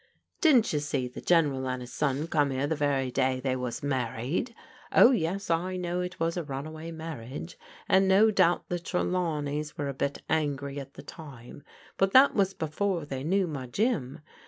" Didn't you see the General and his son come 'ere the very day they was married ? Oh, yes, I know it was a runaway marriage, and no doubt the Trelawneys were a bit angry at the time: but that was before they knew my Jim.